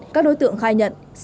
các đối tượng khai nhận